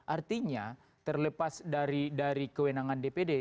artinya terlepas dari kewenangan dpd